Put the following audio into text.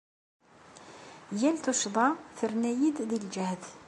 Yal tuccḍa terna-yi-d deg lǧehd.